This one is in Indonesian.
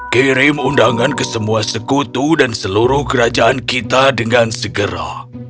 kirim undangan ke semua sekutu dan seluruh kerajaan kita dengan segera